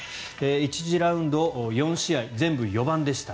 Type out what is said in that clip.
１次ラウンド、４試合全部４番でした。